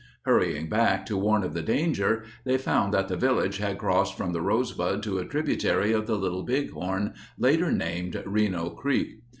Hurrying back to warn of the danger, they found that the village had crossed from the Rosebud to a tributary of the Little Bighorn later named Reno Creek.